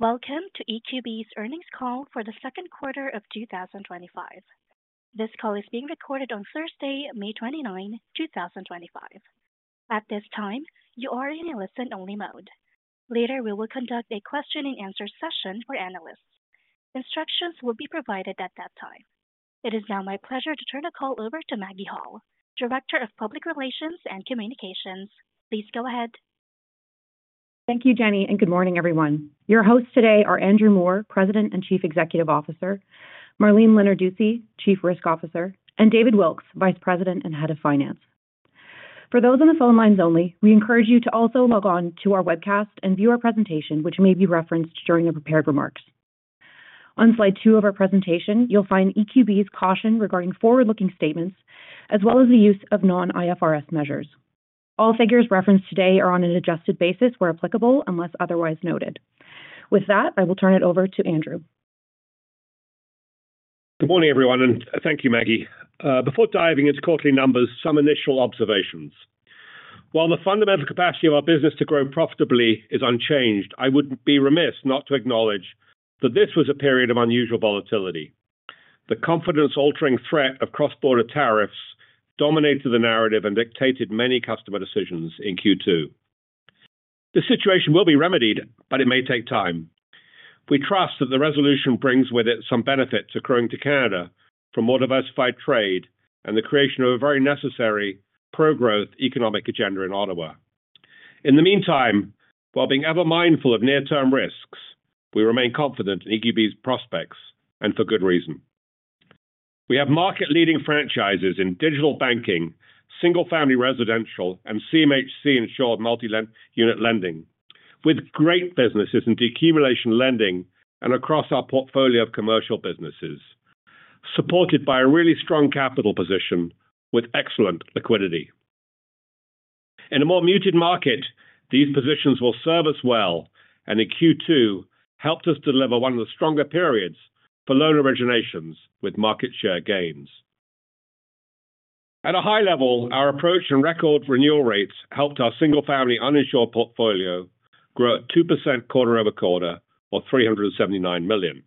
Welcome to EQB's earnings call for the second quarter of 2025. This call is being recorded on Thursday, May 29, 2025. At this time, you are in a listen-only mode. Later, we will conduct a question-and-answer session for analysts. Instructions will be provided at that time. It is now my pleasure to turn the call over to Maggie Hall, Director of Public Relations and Communications. Please go ahead. Thank you, Jenny, and good morning, everyone. Your hosts today are Andrew Moor, President and Chief Executive Officer; Marlene Lenarduzzi, Chief Risk Officer; and David Wilkes, Vice President and Head of Finance. For those on the phone lines only, we encourage you to also log on to our webcast and view our presentation, which may be referenced during the prepared remarks. On slide two of our presentation, you'll find EQB's caution regarding forward-looking statements, as well as the use of non-IFRS measures. All figures referenced today are on an adjusted basis where applicable, unless otherwise noted. With that, I will turn it over to Andrew. Good morning, everyone, and thank you, Maggie. Before diving into quarterly numbers, some initial observations. While the fundamental capacity of our business to grow profitably is unchanged, I would be remiss not to acknowledge that this was a period of unusual volatility. The confidence-altering threat of cross-border tariffs dominated the narrative and dictated many customer decisions in Q2. The situation will be remedied, but it may take time. We trust that the resolution brings with it some benefits accruing to Canada from more diversified trade and the creation of a very necessary pro-growth economic agenda in Ottawa. In the meantime, while being ever mindful of near-term risks, we remain confident in EQB's prospects, and for good reason. We have market-leading franchises in digital banking, single-family residential, and CMHC-insured multi-unit lending, with great businesses in de-accumulation lending and across our portfolio of commercial businesses, supported by a really strong capital position with excellent liquidity. In a more muted market, these positions will serve us well, and in Q2 helped us deliver one of the stronger periods for loan originations with market share gains. At a high level, our approach and record renewal rates helped our single-family uninsured portfolio grow at 2% Quarter-over-Quarter, or 379 million.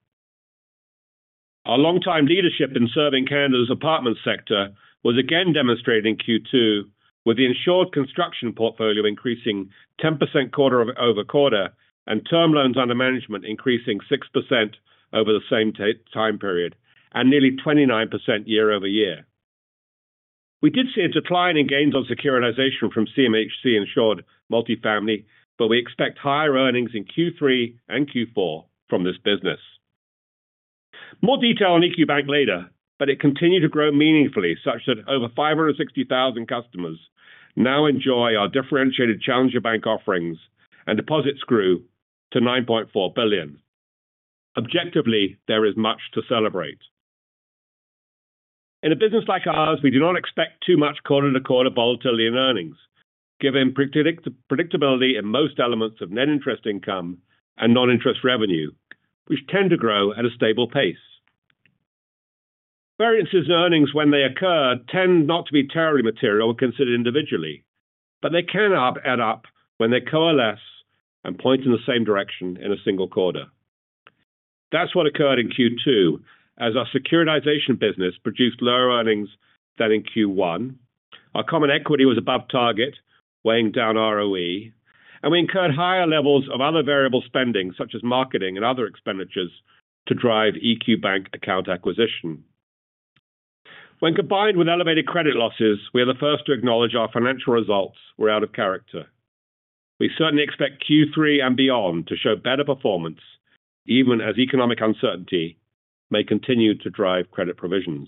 Our long-time leadership in serving Canada's apartment sector was again demonstrated in Q2, with the insured construction portfolio increasing 10% Quarter-over-Quarter and term loans under management increasing 6% over the same time period, and nearly 29% Year-over-Year. We did see a decline in gains on securitization from CMHC-insured multi-family, but we expect higher earnings in Q3 and Q4 from this business. More detail on EQ Bank later, but it continued to grow meaningfully, such that over 560,000 customers now enjoy our differentiated challenger bank offerings and deposits grew to 9.4 billion. Objectively, there is much to celebrate. In a business like ours, we do not expect too much Quarter-to-Quarter volatility in earnings, given predictability in most elements of net interest income and non-interest revenue, which tend to grow at a stable pace. Variances in earnings when they occur tend not to be terribly material when considered individually, but they can add up when they coalesce and point in the same direction in a single quarter. That is what occurred in Q2, as our securitization business produced lower earnings than in Q1. Our common equity was above target, weighing down ROE, and we incurred higher levels of other variable spending, such as marketing and other expenditures, to drive EQ Bank account acquisition. When combined with elevated credit losses, we are the first to acknowledge our financial results were out of character. We certainly expect Q3 and beyond to show better performance, even as economic uncertainty may continue to drive credit provisions.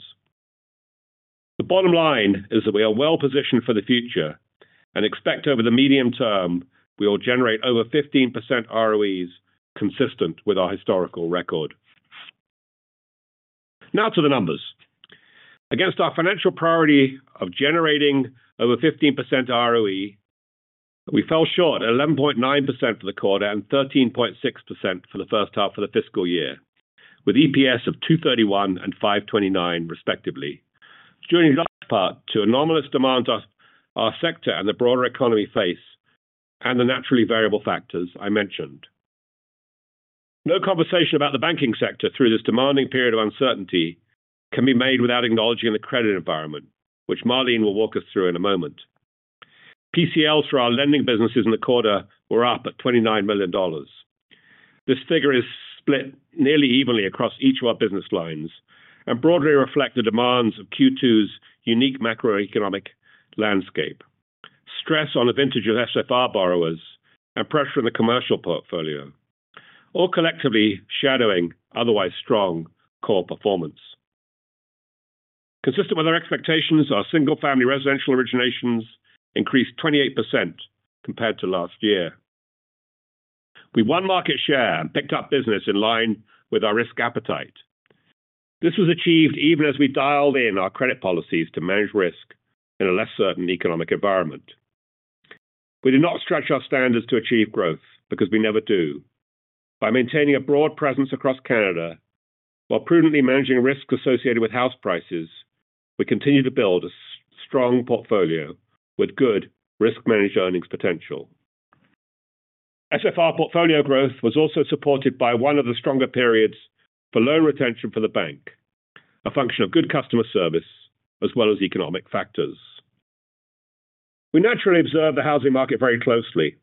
The bottom line is that we are well positioned for the future and expect over the medium term we will generate over 15% ROEs consistent with our historical record. Now to the numbers. Against our financial priority of generating over 15% ROE, we fell short at 11.9% for the quarter and 13.6% for the first half of the fiscal year, with EPS of 2.31 and 5.29, respectively, due in large part to anomalous demands our sector and the broader economy face, and the naturally variable factors I mentioned. No conversation about the banking sector through this demanding period of uncertainty can be made without acknowledging the credit environment, which Marlene will walk us through in a moment. PCLs for our lending businesses in the quarter were up at 29 million. This figure is split nearly evenly across each of our business lines and broadly reflects the demands of Q2's unique macroeconomic landscape, stress on the vintage of Single-Family Residential borrowers, and pressure on the commercial portfolio, all collectively shadowing otherwise strong core performance. Consistent with our expectations, our single-family residential originations increased 28% compared to last year. We won market share and picked up business in line with our risk appetite. This was achieved even as we dialed in our credit policies to manage risk in a less certain economic environment. We did not stretch our standards to achieve growth, because we never do. By maintaining a broad presence across Canada while prudently managing risks associated with house prices, we continue to build a strong portfolio with good risk-managed earnings potential. SFR portfolio growth was also supported by one of the stronger periods for loan retention for the bank, a function of good customer service as well as economic factors. We naturally observe the housing market very closely.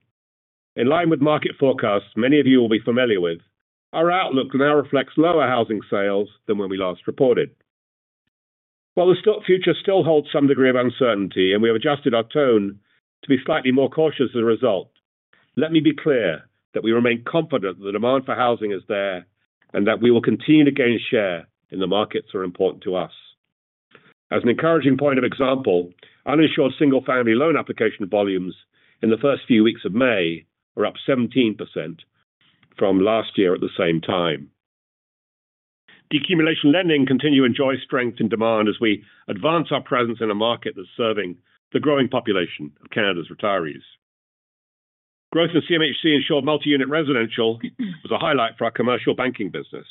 In line with market forecasts, many of you will be familiar with, our outlook now reflects lower housing sales than when we last reported. While the stock future still holds some degree of uncertainty, and we have adjusted our tone to be slightly more cautious as a result, let me be clear that we remain confident that the demand for housing is there and that we will continue to gain share in the markets that are important to us. As an encouraging point of example, uninsured single-family loan application volumes in the first few weeks of May were up 17% from last year at the same time. De-accumulation lending continues to enjoy strength in demand as we advance our presence in a market that is serving the growing population of Canada's retirees. Growth in CMHC-insured multi-unit residential was a highlight for our commercial banking business.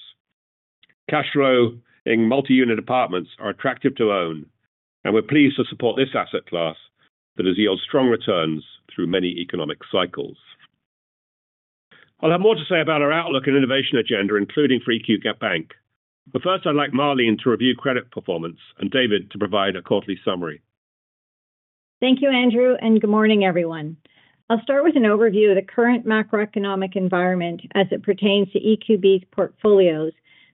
Cash flow in multi-unit apartments are attractive to own, and we are pleased to support this asset class that has yielded strong returns through many economic cycles. I'll have more to say about our outlook and innovation agenda, including for EQ Bank. First, I'd like Marlene to review credit performance and David to provide a quarterly summary. Thank you, Andrew, and good morning, everyone. I'll start with an overview of the current macroeconomic environment as it pertains to EQB's portfolios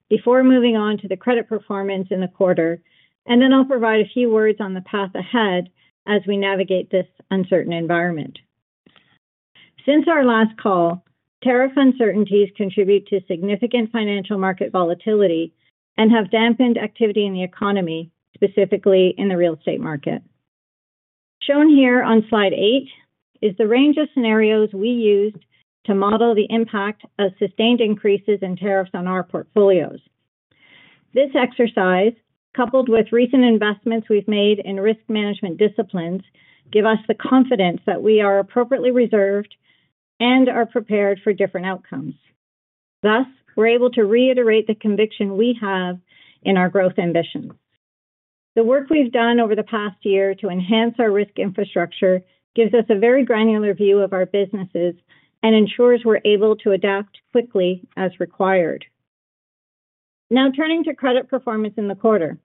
before moving on to the credit performance in the quarter, and then I'll provide a few words on the path ahead as we navigate this uncertain environment. Since our last call, tariff uncertainties contribute to significant financial market volatility and have dampened activity in the economy, specifically in the real estate market. Shown here on slide eight is the range of scenarios we used to model the impact of sustained increases in tariffs on our portfolios. This exercise, coupled with recent investments we've made in risk management disciplines, gives us the confidence that we are appropriately reserved and are prepared for different outcomes. Thus, we're able to reiterate the conviction we have in our growth ambitions. The work we've done over the past year to enhance our risk infrastructure gives us a very granular view of our businesses and ensures we're able to adapt quickly as required. Now, turning to credit performance in the quarter.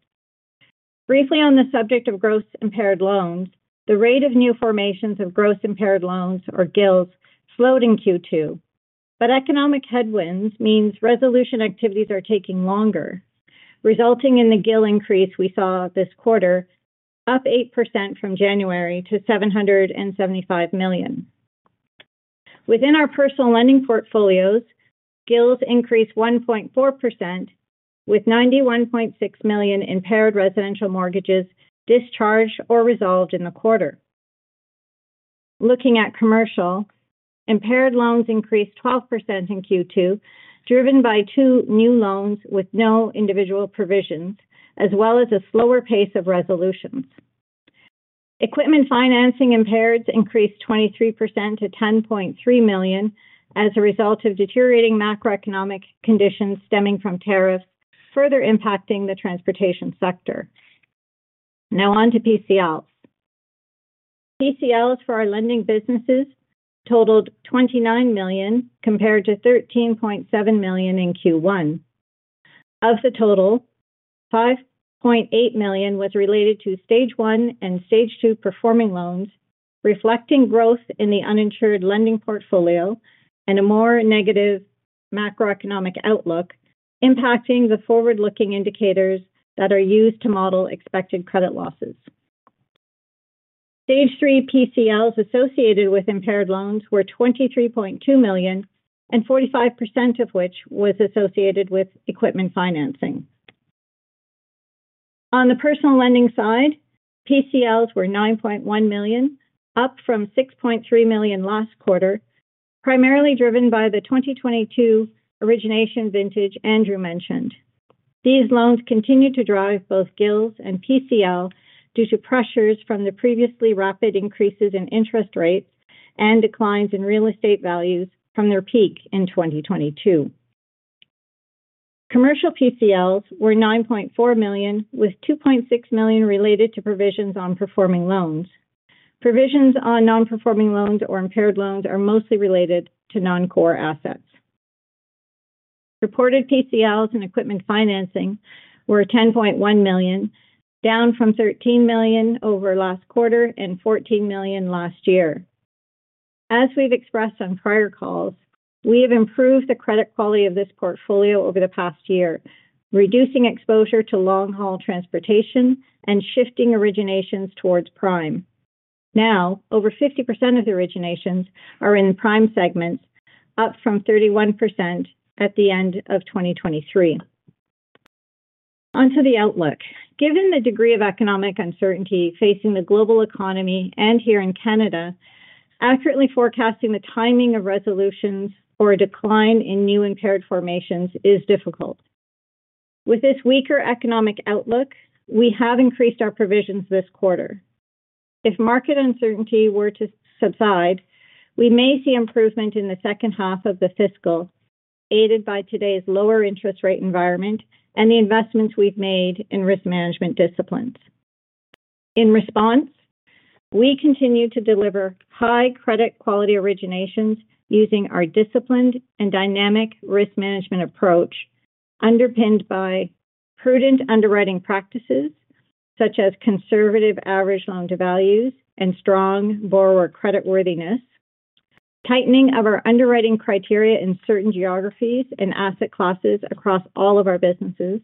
Briefly on the subject of gross impaired loans, the rate of new formations of gross impaired loans, or GILs, slowed in Q2, but economic headwinds mean resolution activities are taking longer, resulting in the GIL increase we saw this quarter, up 8% from January to 775 million. Within our personal lending portfolios, GILs increased 1.4%, with 91.6 million impaired residential mortgages discharged or resolved in the quarter. Looking at commercial, impaired loans increased 12% in Q2, driven by two new loans with no individual provisions, as well as a slower pace of resolutions. Equipment financing impaireds increased 23% to 10.3 million as a result of deteriorating macroeconomic conditions stemming from tariffs, further impacting the transportation sector. Now on to PCLs. PCLs for our lending businesses totaled 29 million, compared to 13.7 million in Q1. Of the total, 5.8 million was related to stage one and stage two performing loans, reflecting growth in the uninsured lending portfolio and a more negative macroeconomic outlook, impacting the forward-looking indicators that are used to model expected credit losses. Stage three PCLs associated with impaired loans were 23.2 million, and 45% of which was associated with equipment financing. On the personal lending side, PCLs were 9.1 million, up from 6.3 million last quarter, primarily driven by the 2022 origination vintage Andrew mentioned. These loans continue to drive both GILs and PCLs due to pressures from the previously rapid increases in interest rates and declines in real estate values from their peak in 2022. Commercial PCLs we9.4 million, with 2.6 million related to provisions on performing loans. Provisions on non-performing loans or impaired loans are mostly related to non-core assets. Reported PCLs in equipment financing were 10.1 million, down from 13 million over last quarter and 14 million last year. As we've expressed on prior calls, we have improved the credit quality of this portfolio over the past year, reducing exposure to long-haul transportation and shifting originations towards prime. Now, over 50% of the originations are in the prime segments, up from 31% at the end of 2023. Onto the outlook. Given the degree of economic uncertainty facing the global economy and here in Canada, accurately forecasting the timing of resolutions or a decline in new impaired formations is difficult. With this weaker economic outlook, we have increased our provisions this quarter. If market uncertainty were to subside, we may see improvement in the second half of the fiscal, aided by today's lower interest rate environment and the investments we've made in risk management disciplines. In response, we continue to deliver high credit quality originations using our disciplined and dynamic risk management approach, underpinned by prudent underwriting practices, such as conservative average loan-to-values and strong borrower creditworthiness, tightening of our underwriting criteria in certain geographies and asset classes across all of our businesses,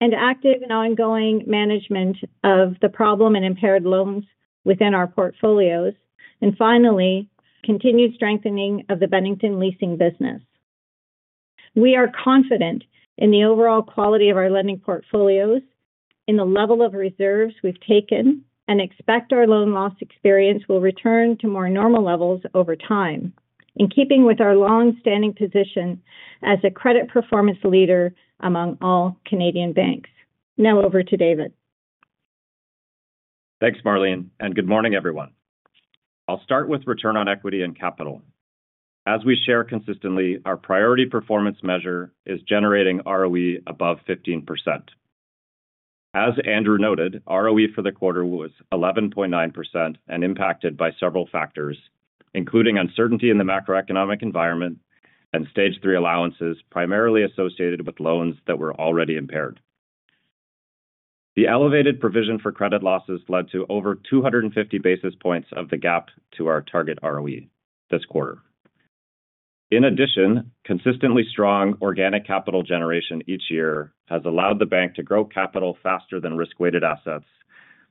and active and ongoing management of the problem and impaired loans within our portfolios, and finally, continued strengthening of the Bennington leasing business. We are confident in the overall quality of our lending portfolios, in the level of reserves we've taken, and expect our loan loss experience will return to more normal levels over time, in keeping with our long-standing position as a credit performance leader among all Canadian banks. Now over to David. Thanks, Marlene, and good morning, everyone. I'll start with return on equity and capital. As we share consistently, our priority performance measure is generating ROE above 15%. As Andrew noted, ROE for the quarter was 11.9% and impacted by several factors, including uncertainty in the macroeconomic environment and stage three allowances primarily associated with loans that were already impaired. The elevated provision for credit losses led to over 250 basis points of the gap to our target ROE this quarter. In addition, consistently strong organic capital generation each year has allowed the bank to grow capital faster than risk-weighted assets,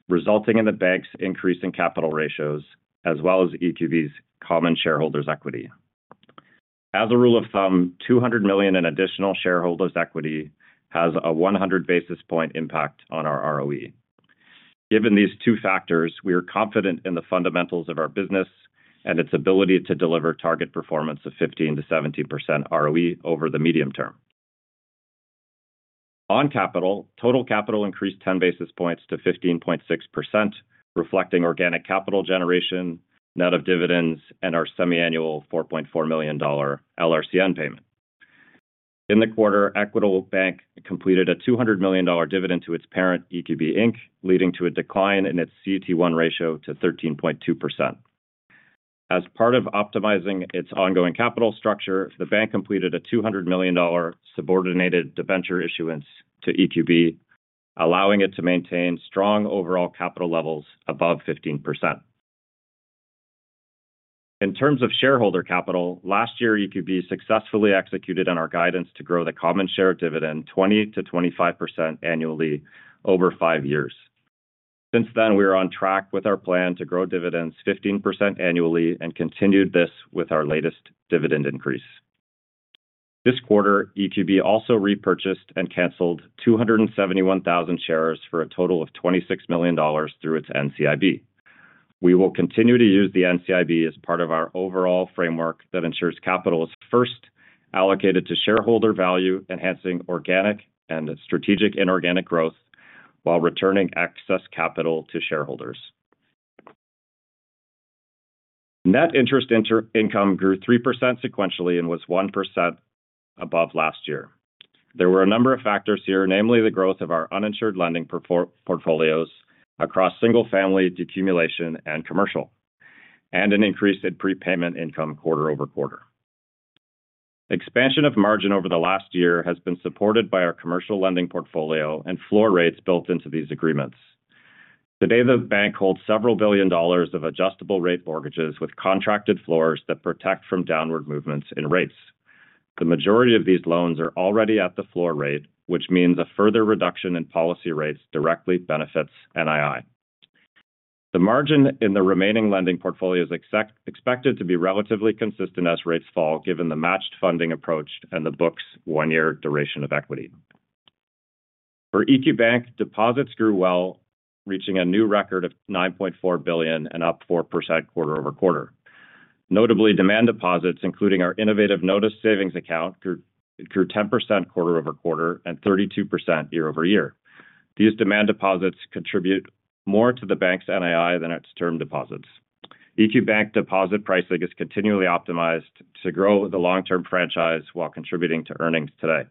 resulting in the bank's increase in capital ratios, as well as EQB's common shareholders' equity. As a rule of thumb, 200 million in additional shareholders' equity has a 100 basis point impact on our ROE. Given these two factors, we are confident in the fundamentals of our business and its ability to deliver target performance of 15%-17% ROE over the medium term. On capital, total capital increased 10 basis points to 15.6%, reflecting organic capital generation, net of dividends, and our semi-annual 4.4 million LRCN payment. In the quarter, Equitable Bank completed a 200 million dividend to its parent, EQB, leading to a decline in its CET1 ratio to 13.2%. As part of optimizing its ongoing capital structure, the bank completed a 200 million subordinated debenture issuance to EQB, allowing it to maintain strong overall capital levels above 15%. In terms of shareholder capital, last year, EQB successfully executed on our guidance to grow the common share dividend 20%-25% annually over five years. Since then, we are on track with our plan to grow dividends 15% annually and continued this with our latest dividend increase. This quarter, EQB also repurchased and canceled 271,000 shares for a total of 26 million through its NCIB. We will continue to use the NCIB as part of our overall framework that ensures capital is first allocated to shareholder value, enhancing organic and strategic inorganic growth while returning excess capital to shareholders. Net interest income grew 3% sequentially and was 1% above last year. There were a number of factors here, namely the growth of our uninsured lending portfolios across single-family de-accumulation and commercial, and an increase in prepayment income Quarter-over-Quarter. Expansion of margin over the last year has been supported by our commercial lending portfolio and floor rates built into these agreements. Today, the bank holds several billion dollars of adjustable rate mortgages with contracted floors that protect from downward movements in rates. The majority of these loans are already at the floor rate, which means a further reduction in policy rates directly benefits NII. The margin in the remaining lending portfolio is expected to be relatively consistent as rates fall, given the matched funding approach and the book's one-year duration of equity. For EQ Bank, deposits grew well, reaching a new record of 9.4 billion and up 4% Quarter-over-Quarter. Notably, demand deposits, including our innovative notice savings account, grew 10% Quarter-over-Quarter and 32% Year-over-Year. These demand deposits contribute more to the bank's NII than its term deposits. EQ Bank deposit pricing is continually optimized to grow the long-term franchise while contributing to earnings today.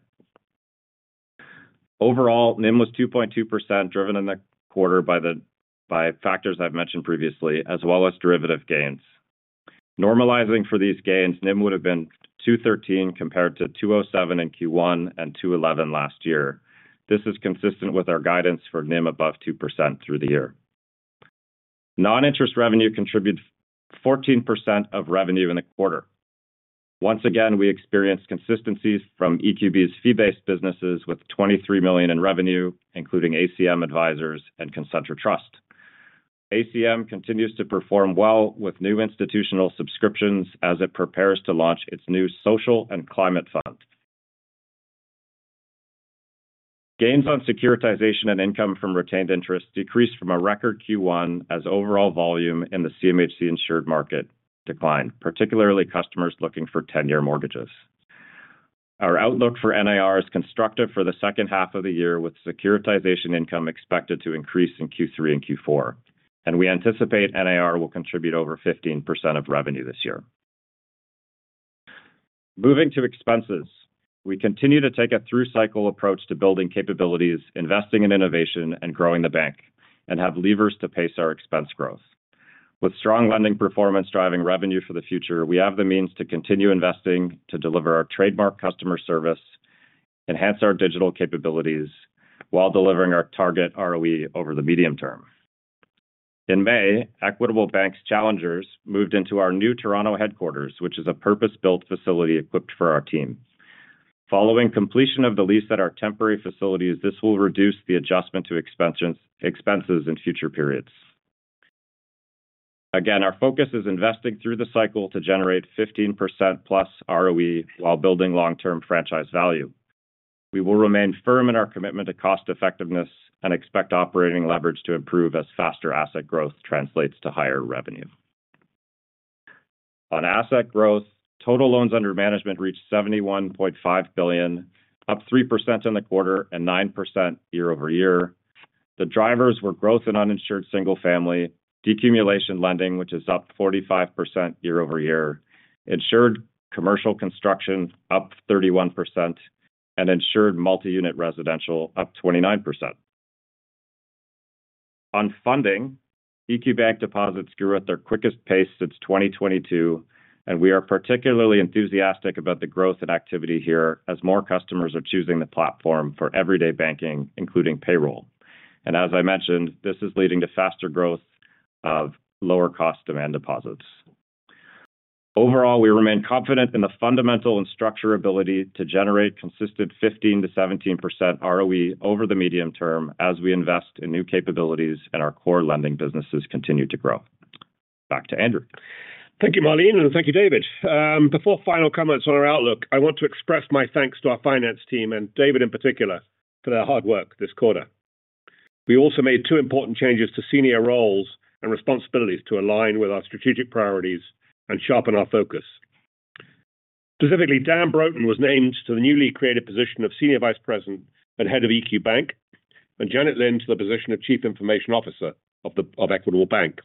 Overall, NIM was 2.2%, driven in the quarter by the factors I've mentioned previously, as well as derivative gains. Normalizing for these gains, NIM would have been 2.13 compared to 2.07 in Q1 and 2.11 last year. This is consistent with our guidance for NIM above 2% through the year. Non-interest revenue contributed 14% of revenue in the quarter. Once again, we experienced consistencies from EQB's fee-based businesses with 23 million in revenue, including ACM Advisors and Concentra Trust. ACM continues to perform well with new institutional subscriptions as it prepares to launch its new social and climate fund. Gains on securitization and income from retained interest decreased from a record Q1 as overall volume in the CMHC insured market declined, particularly customers looking for 10-year mortgages. Our outlook for NIR is constructive for the second half of the year, with securitization income expected to increase in Q3 and Q4, and we anticipate NIR will contribute over 15% of revenue this year. Moving to expenses, we continue to take a through-cycle approach to building capabilities, investing in innovation, and growing the bank, and have levers to pace our expense growth. With strong lending performance driving revenue for the future, we have the means to continue investing to deliver our trademark customer service, enhance our digital capabilities, while delivering our target ROE over the medium term. In May, Equitable Bank's challengers moved into our new Toronto headquarters, which is a purpose-built facility equipped for our team. Following completion of the lease at our temporary facilities, this will reduce the adjustment to expenses in future periods. Again, our focus is investing through the cycle to generate 15%+ ROE while building long-term franchise value. We will remain firm in our commitment to cost-effectiveness and expect operating leverage to improve as faster asset growth translates to higher revenue. On asset growth, total loans under management reached 71.5 billion, up 3% in the quarter and 9% Year-over-Year. The drivers were growth in uninsured single-family, de-accumulation lending, which is up 45% Year-over-Year, insured commercial construction, up 31%, and insured multi-unit residential, up 29%. On funding, EQ Bank deposits grew at their quickest pace since 2022, and we are particularly enthusiastic about the growth and activity here as more customers are choosing the platform for everyday banking, including payroll. As I mentioned, this is leading to faster growth of lower-cost demand deposits. Overall, we remain confident in the fundamental and structural ability to generate consistent 15%-17% ROE over the medium term as we invest in new capabilities and our core lending businesses continue to grow. Back to Andrew. Thank you, Marlene, and thank you, David. Before final comments on our outlook, I want to express my thanks to our finance team and David in particular for their hard work this quarter. We also made two important changes to senior roles and responsibilities to align with our strategic priorities and sharpen our focus. Specifically, Dan Broughton was named to the newly created position of Senior Vice President and Head of EQ Bank, and Janet Lin to the position of Chief Information Officer of Equitable Bank.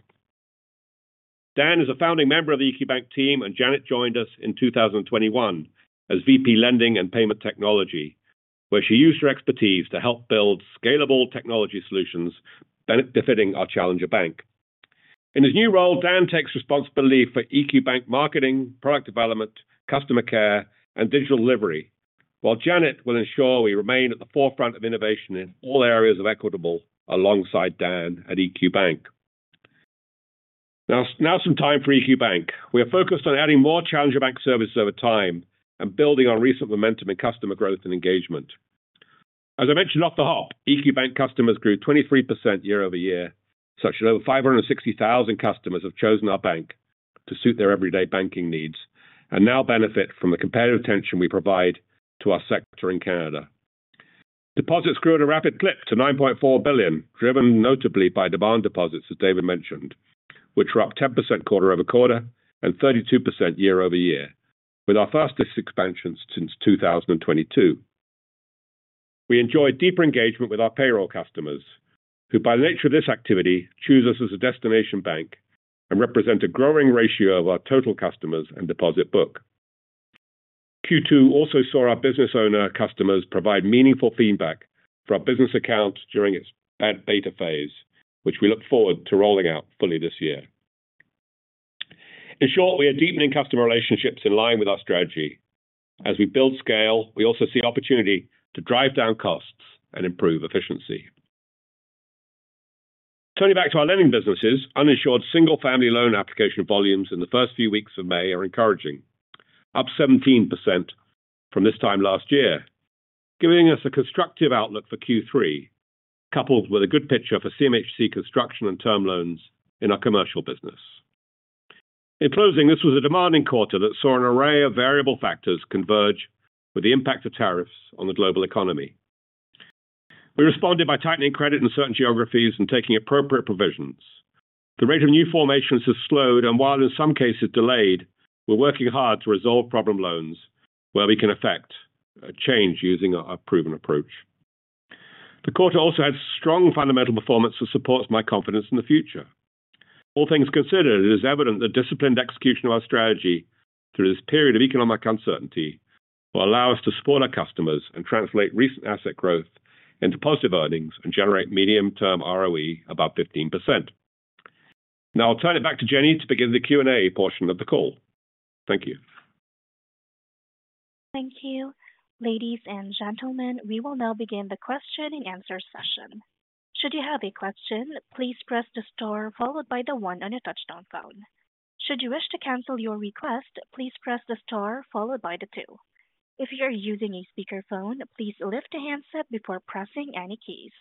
Dan is a founding member of the EQ Bank team, and Janet joined us in 2021 as VP Lending and Payment Technology, where she used her expertise to help build scalable technology solutions, benefiting our challenger bank. In his new role, Dan takes responsibility for EQ Bank marketing, product development, customer care, and digital delivery, while Janet will ensure we remain at the forefront of innovation in all areas of Equitable alongside Dan at EQ Bank. Now, some time for EQ Bank. We are focused on adding more challenger bank services over time and building on recent momentum in customer growth and engagement. As I mentioned off the hop, EQ Bank customers grew 23% Year-over-Year, such that over 560,000 customers have chosen our bank to suit their everyday banking needs and now benefit from the competitive attention we provide to our sector in Canada. Deposits grew at a rapid clip to 9.4 billion, driven notably by demand deposits, as David mentioned, which were up 10% Quarter-over-Quarter and 32% Year-over-Year, with our first expansion since 2022. We enjoyed deeper engagement with our payroll customers, who by the nature of this activity choose us as a destination bank and represent a growing ratio of our total customers and deposit book. Q2 also saw our business owner customers provide meaningful feedback for our business account during its beta phase, which we look forward to rolling out fully this year. In short, we are deepening customer relationships in line with our strategy. As we build scale, we also see opportunity to drive down costs and improve efficiency. Turning back to our lending businesses, uninsured single-family loan application volumes in the first few weeks of May are encouraging, up 17% from this time last year, giving us a constructive outlook for Q3, coupled with a good picture for CMHC construction and term loans in our commercial business. In closing, this was a demanding quarter that saw an array of variable factors converge with the impact of tariffs on the global economy. We responded by tightening credit in certain geographies and taking appropriate provisions. The rate of new formations has slowed, and while in some cases delayed, we're working hard to resolve problem loans where we can affect a change using our proven approach. The quarter also had strong fundamental performance that supports my confidence in the future. All things considered, it is evident that disciplined execution of our strategy through this period of economic uncertainty will allow us to support our customers and translate recent asset growth into positive earnings and generate medium-term ROE above 15%. Now, I'll turn it back to Jenny to begin the Q&A portion of the call. Thank you. Thank you, ladies and gentlemen. We will now begin the question and answer session. Should you have a question, please press the star followed by the one on your touch-tone phone. Should you wish to cancel your request, please press the star followed by the two. If you're using a speakerphone, please lift a handset before pressing any keys.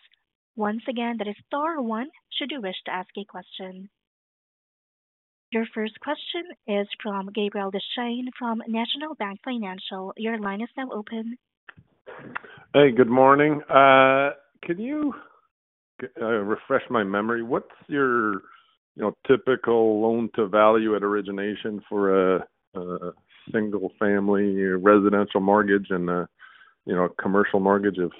Once again, that is star one should you wish to ask a question. Your first question is from Gabriel Dechaine from National Bank Financial. Your line is now open. Hey, good morning. Can you refresh my memory? What's your typical loan-to-value at origination for a single-family residential mortgage and a commercial mortgage, if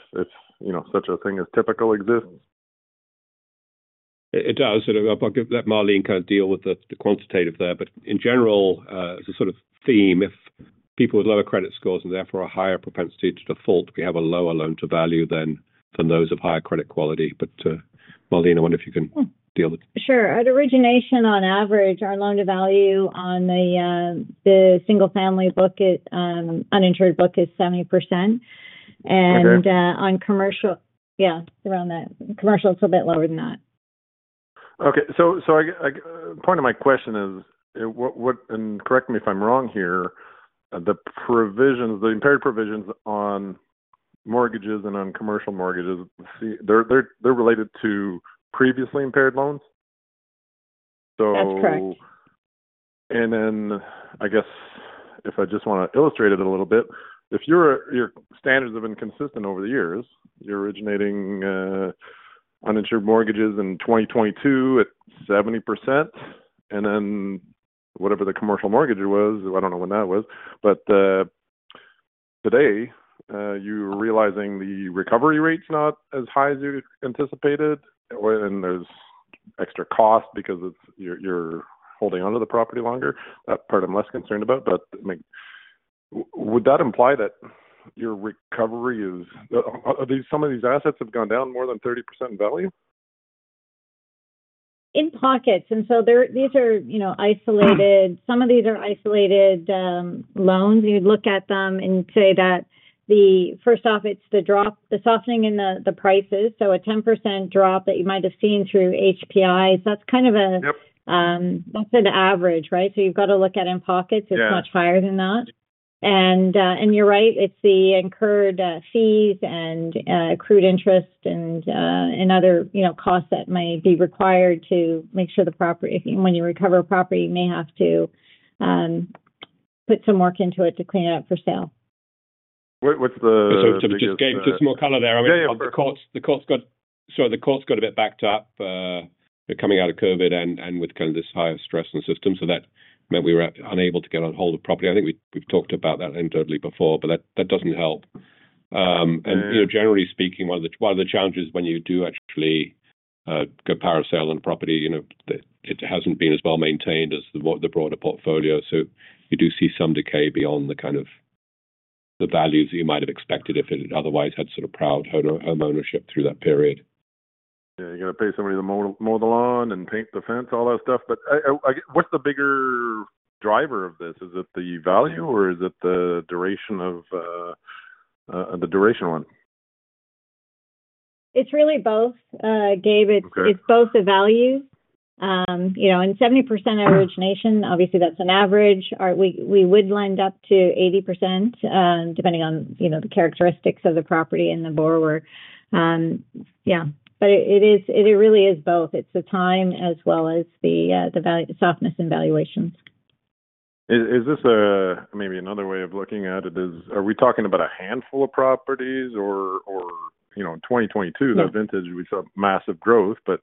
such a thing as typical exists? It does. Marlene kind of deal with the quantitative there, but in general, as a sort of theme, if people with lower credit scores and therefore a higher propensity to default, we have a lower loan-to-value than those of higher credit quality. Marlene, I wonder if you can deal with. Sure. At origination, on average, our loan-to-value on the single-family uninsured book is 70%. On commercial, yeah, around that, commercial is a little bit lower than that. Okay. So part of my question is, and correct me if I'm wrong here, the impaired provisions on mortgages and on commercial mortgages, they're related to previously impaired loans? That's correct. I guess, if I just want to illustrate it a little bit, if your standards have been consistent over the years, your originating uninsured mortgages in 2022 at 70%, and then whatever the commercial mortgage was, I do not know when that was, but today, you're realizing the recovery rate is not as high as you anticipated, and there is extra cost because you're holding onto the property longer. That part I am less concerned about, but would that imply that your recovery is some of these assets have gone down more than 30% in value? In pockets. These are isolated. Some of these are isolated loans. You'd look at them and say that, first off, it's the drop, the softening in the prices. A 10% drop that you might have seen through HPI, that's kind of an average, right? You've got to look at, in pockets, it's much higher than that. You're right, it's the incurred fees and accrued interest and other costs that may be required to make sure the property, when you recover property, you may have to put some work into it to clean it up for sale. To just gain some more color there, I mean, the court's got a bit backed up coming out of COVID and with kind of this higher stress on the system, so that meant we were unable to get on hold of property. I think we've talked about that anecdotally before, but that does not help. Generally speaking, one of the challenges when you do actually go power sale on a property, it has not been as well maintained as the broader portfolio. You do see some decay beyond the kind of values that you might have expected if it otherwise had sort of proud home ownership through that period. Yeah, you are going to pay somebody to mow the lawn and paint the fence, all that stuff. What's the bigger driver of this? Is it the value, or is it the duration of the duration one? It's really both, Gabe. It's both the value. In 70% origination, obviously, that's an average. We would lend up to 80%, depending on the characteristics of the property and the borrower. Yeah. It really is both. It's the time as well as the softness in valuations. Is this maybe another way of looking at it? Are we talking about a handful of properties, or in 2022, that vintage we saw massive growth, but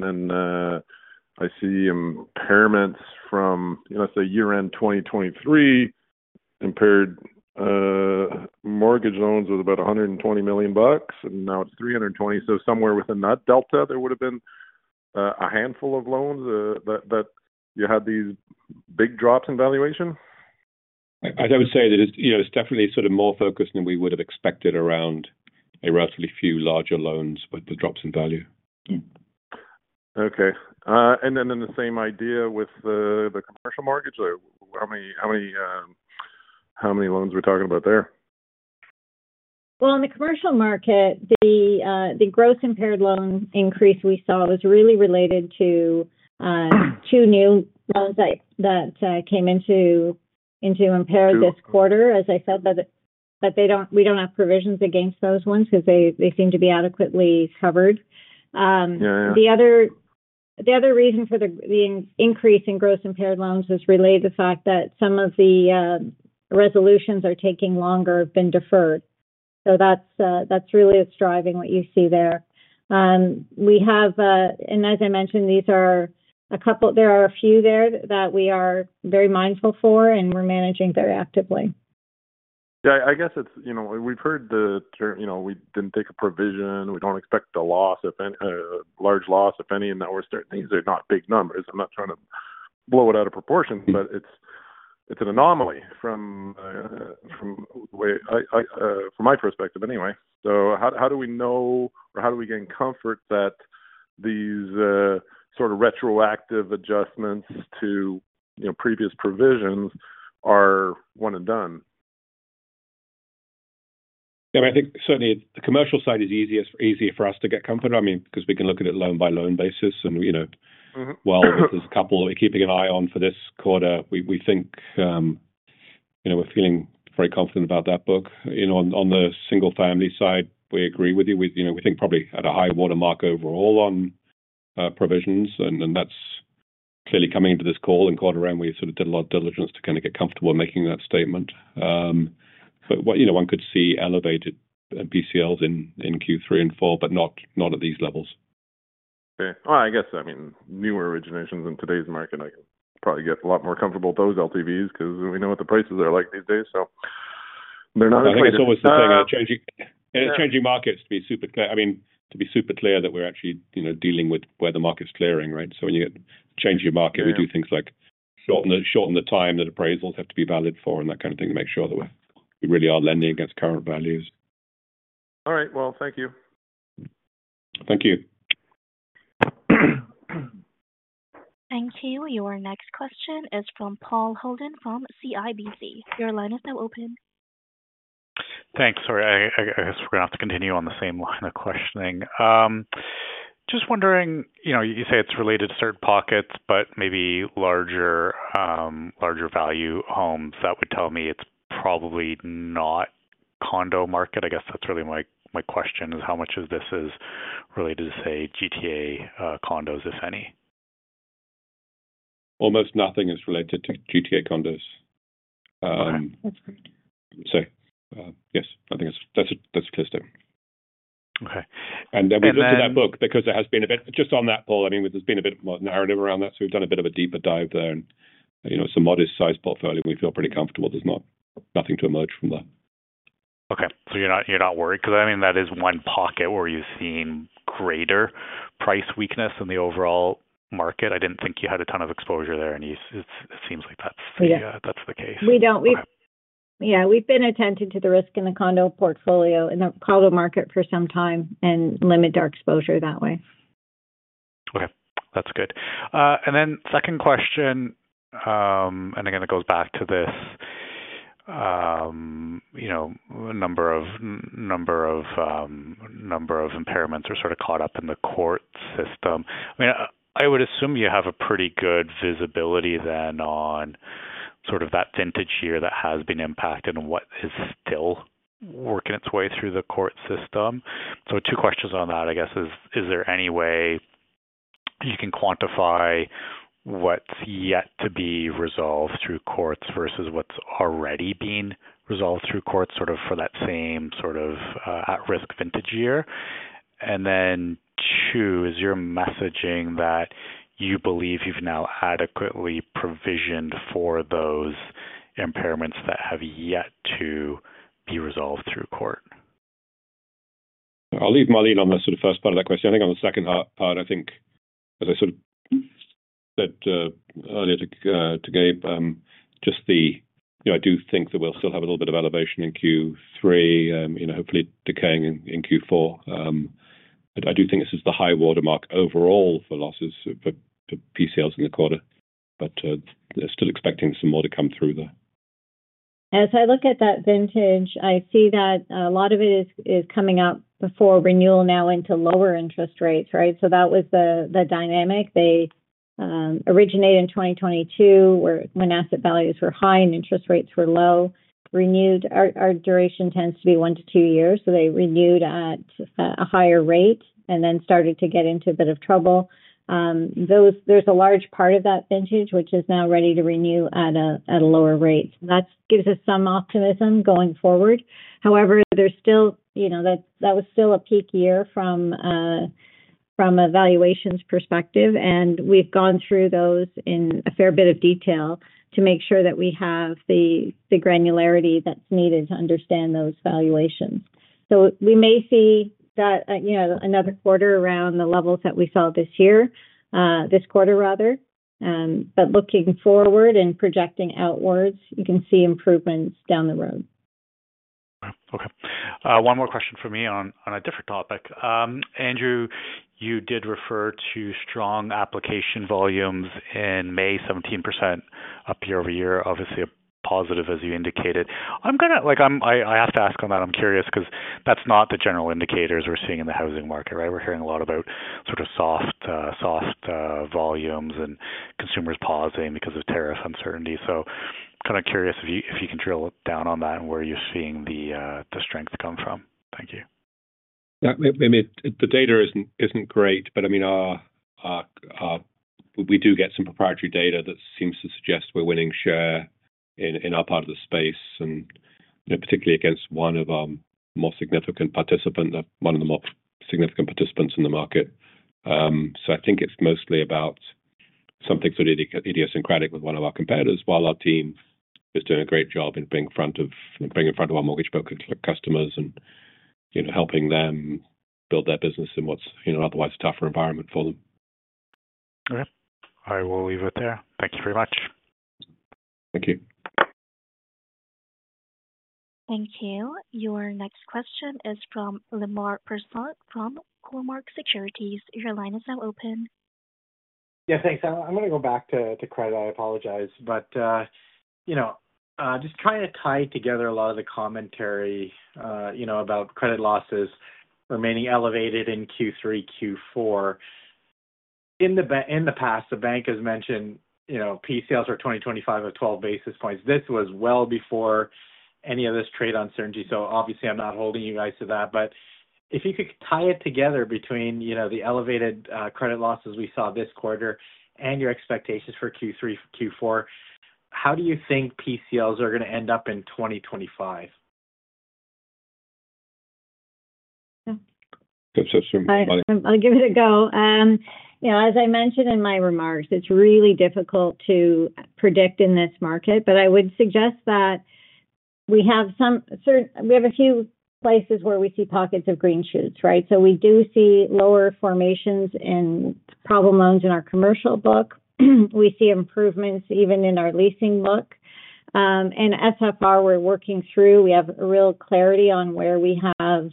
then I see impairments from, let's say, year-end 2023, impaired mortgage loans was about 120 million, and now it's 320 million. So somewhere within that delta, there would have been a handful of loans that you had these big drops in valuation? I would say that it's definitely sort of more focused than we would have expected around a relatively few larger loans with the drops in value. Okay. Then the same idea with the commercial mortgage, how many loans are we talking about there? In the commercial market, the gross impaired loan increase we saw was really related to two new loans that came into impaired this quarter. As I said, we do not have provisions against those ones because they seem to be adequately covered. The other reason for the increase in gross impaired loans is related to the fact that some of the resolutions are taking longer, have been deferred. That is really what is driving what you see there. As I mentioned, there are a couple, there are a few there that we are very mindful for, and we are managing very actively. Yeah. I guess we've heard that we didn't take a provision. We don't expect a loss, a large loss, if any, and that we're starting these are not big numbers. I'm not trying to blow it out of proportion, but it's an anomaly from the way from my perspective anyway. How do we know, or how do we gain comfort that these sort of retroactive adjustments to previous provisions are one and done? Yeah. I think certainly the commercial side is easier for us to get comfortable. I mean, because we can look at it loan-by-loan basis. While there's a couple we're keeping an eye on for this quarter, we think we're feeling very confident about that book. On the single-family side, we agree with you. We think probably at a high watermark overall on provisions, and that's clearly coming into this call. Quarter round, we sort of did a lot of diligence to kind of get comfortable making that statement. One could see elevated PCLs in Q3 and Q4, but not at these levels. Okay. I guess, I mean, newer originations in today's market, I can probably get a lot more comfortable with those LTVs because we know what the prices are like these days, so they're not as high. I was always saying changing markets to be super clear. I mean, to be super clear that we're actually dealing with where the market's clearing, right? When you change your market, we do things like shorten the time that appraisals have to be valid for and that kind of thing to make sure that we really are lending against current values. All right. Thank you. Thank you. Thank you. Your next question is from Paul Holden from CIBC. Your line is now open. Thanks. Sorry, I guess we're going to have to continue on the same line of questioning. Just wondering, you say it's related to certain pockets, but maybe larger value homes, that would tell me it's probably not condo market. I guess that's really my question is how much of this is related to, say, GTA condos, if any? Almost nothing is related to GTA condos. Okay. That's good. Yes, I think that's a clear statement. Okay. We looked at that book because there has been a bit just on that, Paul. I mean, there has been a bit more narrative around that, so we have done a bit of a deeper dive there and some modest-sized portfolio. We feel pretty comfortable. There is nothing to emerge from there. Okay. So you're not worried because, I mean, that is one pocket where you've seen greater price weakness in the overall market. I didn't think you had a ton of exposure there, and it seems like that's the case. Yeah. We've been attentive to the risk in the condo portfolio in the condo market for some time and limit our exposure that way. Okay. That's good. Then second question, and again, it goes back to this, a number of impairments are sort of caught up in the court system. I mean, I would assume you have a pretty good visibility then on sort of that vintage year that has been impacted and what is still working its way through the court system. Two questions on that, I guess. Is there any way you can quantify what's yet to be resolved through courts versus what's already being resolved through courts for that same sort of at-risk vintage year? Then, is your messaging that you believe you've now adequately provisioned for those impairments that have yet to be resolved through court? I'll leave Marlene on the sort of first part of that question. I think on the second part, I think, as I sort of said earlier to Gabe, just the I do think that we'll still have a little bit of elevation in Q3, hopefully decaying in Q4. I do think this is the high watermark overall for losses for PCLs in the quarter, but they're still expecting some more to come through there. As I look at that vintage, I see that a lot of it is coming up before renewal now into lower interest rates, right? That was the dynamic. They originated in 2022 when asset values were high and interest rates were low. Renewed, our duration tends to be one to two years, so they renewed at a higher rate and then started to get into a bit of trouble. There is a large part of that vintage, which is now ready to renew at a lower rate. That gives us some optimism going forward. However, that was still a peak year from a valuations perspective, and we have gone through those in a fair bit of detail to make sure that we have the granularity that is needed to understand those valuations. We may see that another quarter around the levels that we saw this year, this quarter rather, but looking forward and projecting outwards, you can see improvements down the road. Okay. One more question from me on a different topic. Andrew, you did refer to strong application volumes in May, 17% up Year-over-Year, obviously a positive, as you indicated. I have to ask on that. I'm curious because that's not the general indicators we're seeing in the housing market, right? We're hearing a lot about sort of soft volumes and consumers pausing because of tariff uncertainty. So kind of curious if you can drill down on that and where you're seeing the strength come from. Thank you. Yeah. I mean, the data isn't great, but I mean, we do get some proprietary data that seems to suggest we're winning share in our part of the space, and particularly against one of our more significant participants, one of the more significant participants in the market. I think it's mostly about something sort of idiosyncratic with one of our competitors while our team is doing a great job in being front of our mortgage broker customers and helping them build their business in what's an otherwise tougher environment for them. Okay. I will leave it there. Thank you very much. Thank you. Thank you. Your next question is from Lemar Persaud from Cormark Securities. Your line is now open. Yeah. Thanks. I'm going to go back to credit. I apologize. Just trying to tie together a lot of the commentary about credit losses remaining elevated in Q3, Q4. In the past, the bank has mentioned PCLs for 2025 of 12 basis points. This was well before any of this trade uncertainty. Obviously, I'm not holding you guys to that. If you could tie it together between the elevated credit losses we saw this quarter and your expectations for Q3, Q4, how do you think PCLs are going to end up in 2025? I'll give it a go. As I mentioned in my remarks, it's really difficult to predict in this market, but I would suggest that we have a few places where we see pockets of green shoots, right? We do see lower formations in problem loans in our commercial book. We see improvements even in our leasing book. And SFR, we're working through. We have real clarity on where we have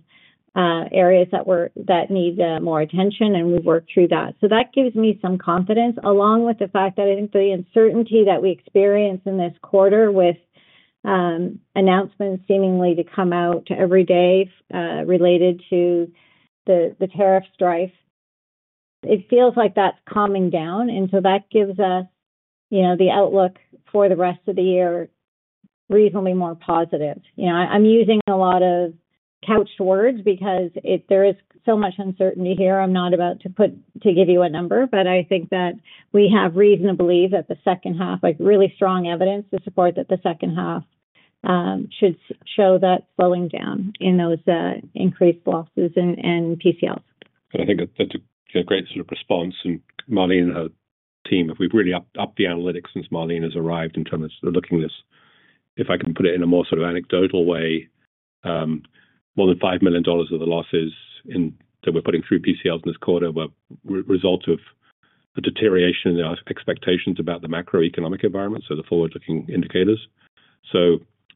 areas that need more attention, and we've worked through that. That gives me some confidence, along with the fact that I think the uncertainty that we experience in this quarter with announcements seemingly to come out every day related to the tariff strife, it feels like that's calming down. That gives us the outlook for the rest of the year reasonably more positive. I'm using a lot of couched words because there is so much uncertainty here. I'm not about to give you a number, but I think that we have reason to believe that the second half, really strong evidence to support that the second half should show that slowing down in those increased losses and PCLs. I think that's a great sort of response. Marlene and her team, we've really upped the analytics since Marlene has arrived in terms of looking at this. If I can put it in a more sort of anecdotal way, more than 5 million of the losses that we're putting through PCLs in this quarter were a result of a deterioration in our expectations about the macroeconomic environment, so the forward-looking indicators.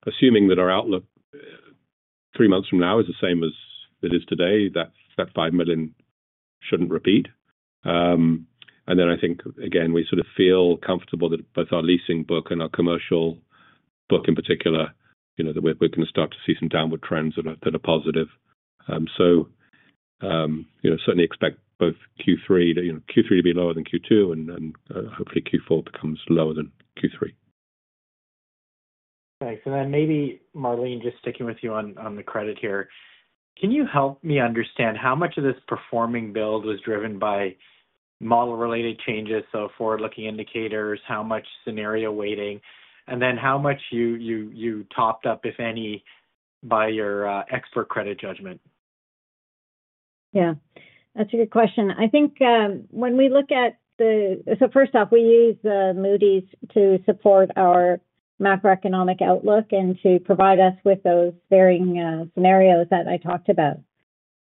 Assuming that our outlook three months from now is the same as it is today, that 5 million shouldn't repeat. I think, again, we sort of feel comfortable that both our leasing book and our commercial book in particular, that we're going to start to see some downward trends that are positive. Certainly expect both Q3 to be lower than Q2, and hopefully Q4 becomes lower than Q3. Okay. So then maybe, Marlene, just sticking with you on the credit here, can you help me understand how much of this performing build was driven by model-related changes, so forward-looking indicators, how much scenario weighting, and then how much you topped up, if any, by your expert credit judgment? Yeah. That's a good question. I think when we look at the, so first off, we use Moody's to support our macroeconomic outlook and to provide us with those varying scenarios that I talked about.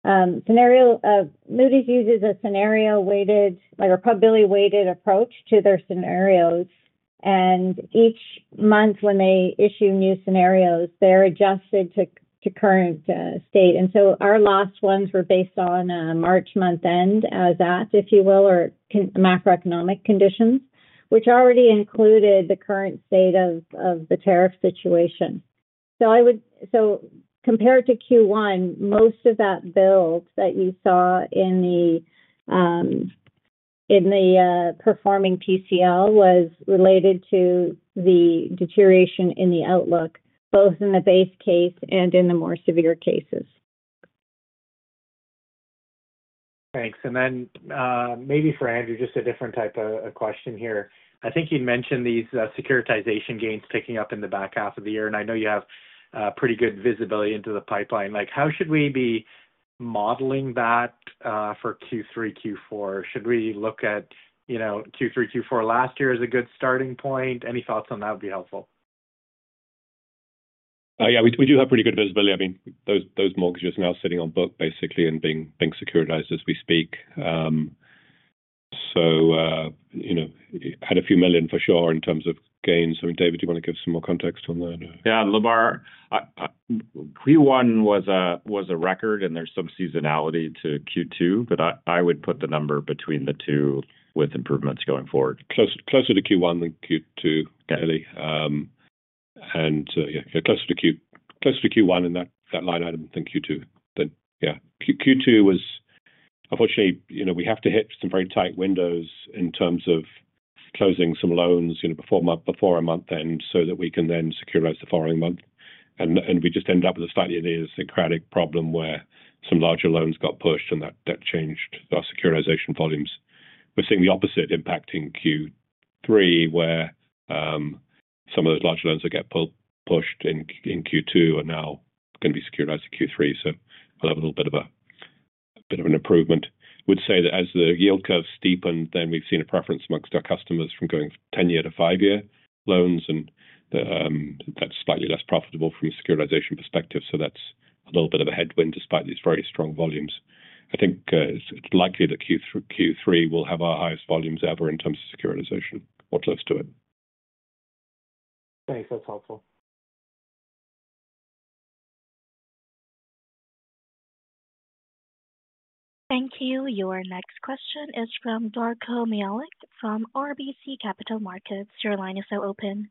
Moody's uses a scenario-weighted, or probability-weighted approach to their scenarios. Each month when they issue new scenarios, they're adjusted to current state. Our last ones were based on March month-end as-at, if you will, or macroeconomic conditions, which already included the current state of the tariff situation. Compared to Q1, most of that build that you saw in the performing PCL was related to the deterioration in the outlook, both in the base case and in the more severe cases. Thanks. Maybe for Andrew, just a different type of question here. I think you mentioned these securitization gains picking up in the back half of the year, and I know you have pretty good visibility into the pipeline. How should we be modeling that for Q3, Q4? Should we look at Q3, Q4 last year as a good starting point? Any thoughts on that would be helpful. Yeah. We do have pretty good visibility. I mean, those mortgages are now sitting on book, basically, and being securitized as we speak. So had a few million for sure in terms of gains. I mean, David, do you want to give some more context on that? Yeah. Lemar, Q1 was a record, and there's some seasonality to Q2, but I would put the number between the two with improvements going forward. Closer to Q1 than Q2, clearly. Yeah, closer to Q1 in that line item than Q2. Q2 was, unfortunately, we have to hit some very tight windows in terms of closing some loans before a month-end so that we can then securitize the following month. We just ended up with a slightly idiosyncratic problem where some larger loans got pushed, and that changed our securitization volumes. We are seeing the opposite impacting Q3, where some of those larger loans that got pushed in Q2 are now going to be securitized in Q3. We will have a little bit of an improvement. I would say that as the yield curve steepened, we have seen a preference amongst our customers from going 10-year to 5-year loans, and that is slightly less profitable from a securitization perspective. That is a little bit of a headwind despite these very strong volumes. I think it's likely that Q3 will have our highest volumes ever in terms of securitization, what's left to it. Thanks. That's helpful. Thank you. Your next question is from Darko Mihelic from RBC Capital Markets. Your line is now open.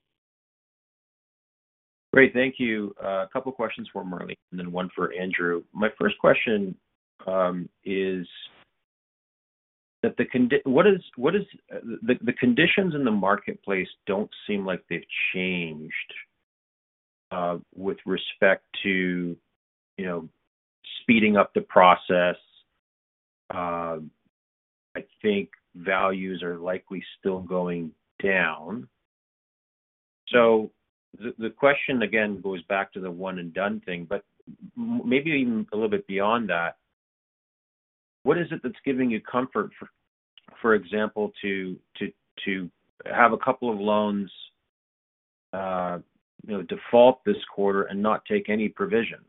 Great. Thank you. A couple of questions for Marlene and then one for Andrew. My first question is that the conditions in the marketplace do not seem like they have changed with respect to speeding up the process. I think values are likely still going down. The question, again, goes back to the one-and-done thing, but maybe even a little bit beyond that. What is it that is giving you comfort, for example, to have a couple of loans default this quarter and not take any provision?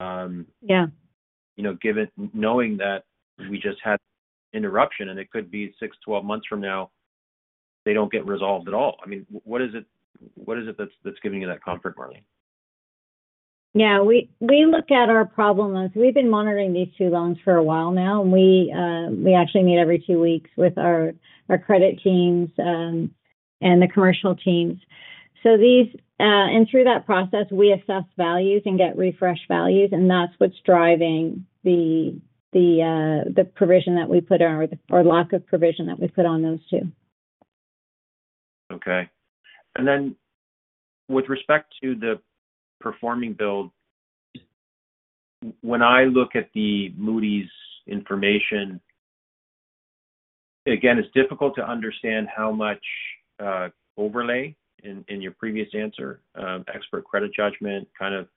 Yeah. Knowing that we just had interruption, and it could be six, twelve months from now, they do not get resolved at all. I mean, what is it that is giving you that comfort, Marlene? Yeah. We look at our problem as we've been monitoring these two loans for a while now. We actually meet every two weeks with our credit teams and the commercial teams. Through that process, we assess values and get refresh values, and that's what's driving the provision that we put on or lack of provision that we put on those two. Okay. And then with respect to the performing build, when I look at the Moody's information, again, it's difficult to understand how much overlay in your previous answer, expert credit judgment, kind of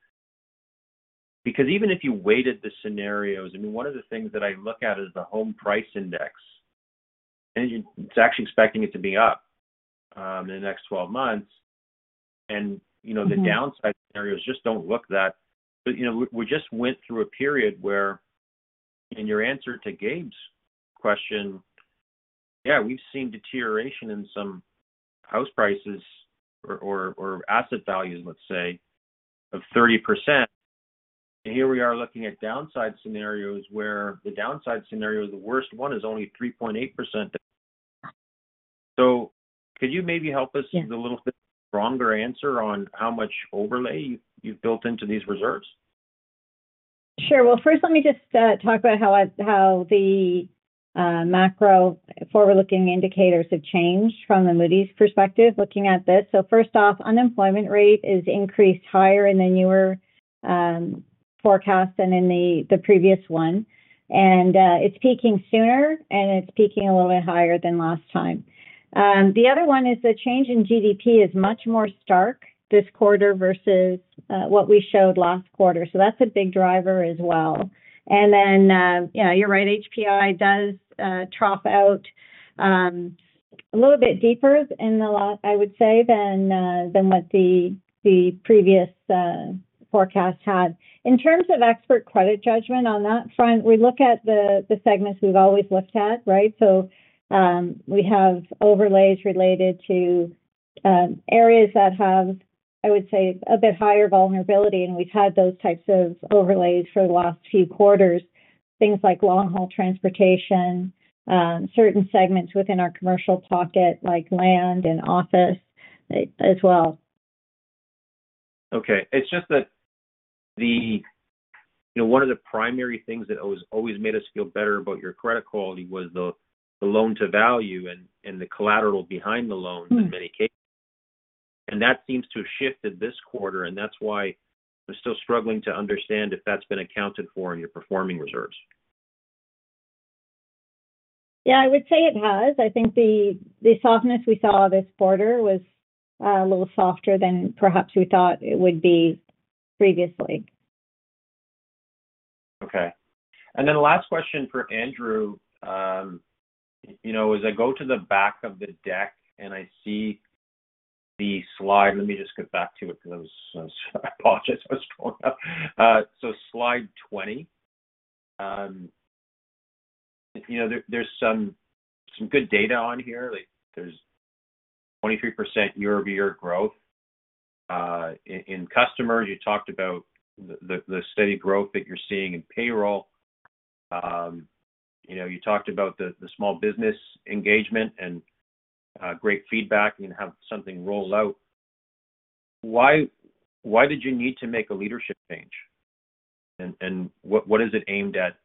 because even if you weighted the scenarios, I mean, one of the things that I look at is the house price index. It's actually expecting it to be up in the next 12 months. The downside scenarios just don't look that. We just went through a period where, in your answer to Gabe's question, yeah, we've seen deterioration in some house prices or asset values, let's say, of 30%. Here we are looking at downside scenarios where the downside scenario, the worst one, is only 3.8%. Could you maybe help us with a little bit stronger answer on how much overlay you've built into these reserves? Sure. First, let me just talk about how the macro forward-looking indicators have changed from the Moody's perspective looking at this. First off, unemployment rate is increased higher in the newer forecast than in the previous one. It is peaking sooner, and it is peaking a little bit higher than last time. The other one is the change in GDP is much more stark this quarter versus what we showed last quarter. That is a big driver as well. You are right, HPI does trough out a little bit deeper, I would say, than what the previous forecast had. In terms of expert credit judgment on that front, we look at the segments we have always looked at, right? We have overlays related to areas that have, I would say, a bit higher vulnerability. We have had those types of overlays for the last few quarters, things like long-haul transportation, certain segments within our commercial pocket like land and office as well. Okay. It's just that one of the primary things that always made us feel better about your credit quality was the loan-to-value and the collateral behind the loans in many cases. That seems to have shifted this quarter. That's why we're still struggling to understand if that's been accounted for in your performing reserves. Yeah. I would say it has. I think the softness we saw this quarter was a little softer than perhaps we thought it would be previously. Okay. And then last question for Andrew is I go to the back of the deck, and I see the slide. Let me just get back to it because I apologize if I was throwing up. Slide 20, there is some good data on here. There is 23% Year-over-Year growth in customers. You talked about the steady growth that you are seeing in payroll. You talked about the small business engagement and great feedback and have something roll out. Why did you need to make a leadership change? And what is it aimed at?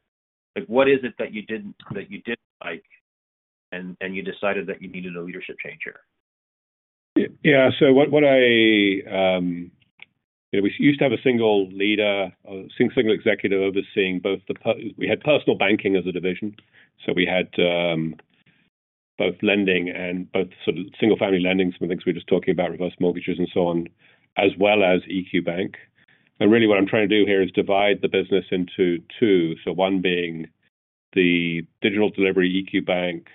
What is it that you did not like and you decided that you needed a leadership change here? Yeah. What we used to have was a single leader, a single executive overseeing both. We had personal banking as a division, so we had both lending and both sort of single-family lending, some of the things we were just talking about, reverse mortgages and so on, as well as EQ Bank. Really, what I'm trying to do here is divide the business into two, so one being the digital delivery EQ Bank,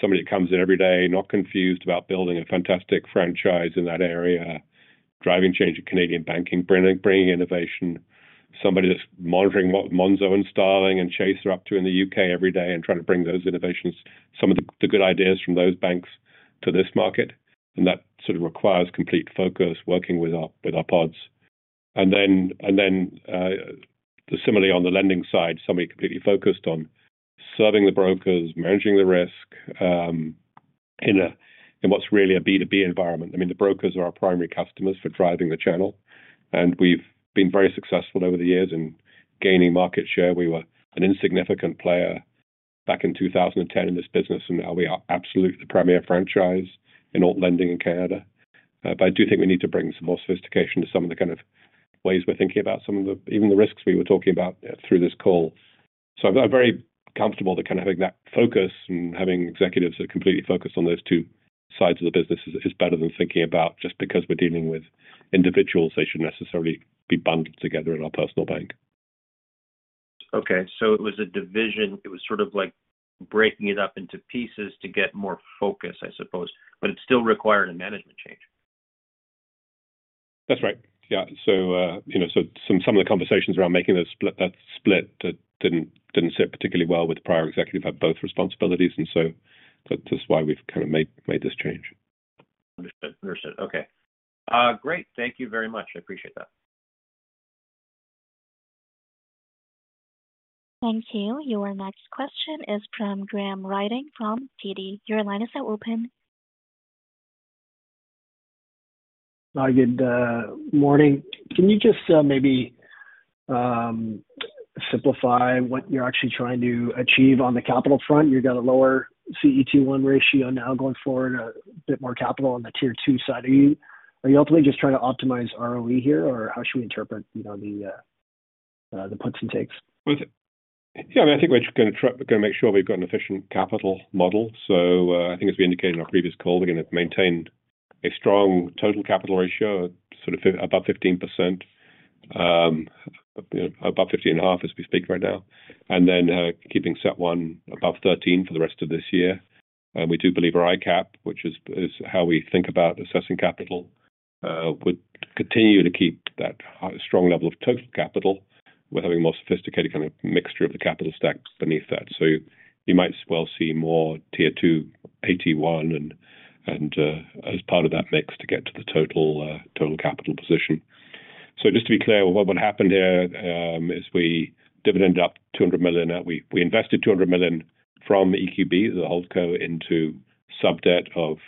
somebody that comes in every day, not confused about building a fantastic franchise in that area, driving change in Canadian banking, bringing innovation, somebody that's monitoring what Monzo and Starling and Chase are up to in the U.K. every day and trying to bring those innovations, some of the good ideas from those banks to this market. That sort of requires complete focus, working with our pods. Then similarly, on the lending side, somebody completely focused on serving the brokers, managing the risk in what is really a B2B environment. I mean, the brokers are our primary customers for driving the channel. I mean, we have been very successful over the years in gaining market share. We were an insignificant player back in 2010 in this business, and now we are absolutely the premier franchise in all lending in Canada. I do think we need to bring some more sophistication to some of the kind of ways we are thinking about some of the even the risks we were talking about through this call. I am very comfortable that kind of having that focus and having executives that are completely focused on those two sides of the business is better than thinking about just because we are dealing with individuals, they should not necessarily be bundled together in our personal bank. Okay. It was a division. It was sort of like breaking it up into pieces to get more focus, I suppose. It still required a management change. That's right. Yeah. Some of the conversations around making that split did not sit particularly well with the prior executive who had both responsibilities. That is why we have kind of made this change. Understood. Okay. Great. Thank you very much. I appreciate that. Thank you. Your next question is from Graham Ryding from TD. Your line is now open. Hi. Good morning. Can you just maybe simplify what you're actually trying to achieve on the capital front? You've got a lower CET1 ratio now going forward, a bit more capital on the tier two side. Are you ultimately just trying to optimize ROE here, or how should we interpret the puts and takes? Yeah. I mean, I think we're going to make sure we've got an efficient capital model. I think, as we indicated in our previous call, we're going to maintain a strong total capital ratio, sort of above 15%, above 15.5% as we speak right now, and then keeping CET1 above 13% for the rest of this year. We do believe our ICAP, which is how we think about assessing capital, would continue to keep that strong level of total capital. We're having a more sophisticated kind of mixture of the capital stack beneath that. You might as well see more tier two AT1 as part of that mix to get to the total capital position. Just to be clear, what happened here is we dividend up 200 million. We invested 200 million from EQB, the hold co, into sub-debt of